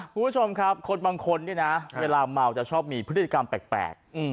คุณผู้ชมครับคนบางคนเนี่ยนะเวลาเมาจะชอบมีพฤติกรรมแปลก